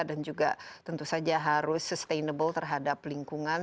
dan juga tentu saja harus sustainable terhadap lingkungan